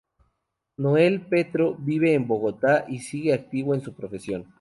Noel Petro vive en Bogotá y sigue activo en su profesión.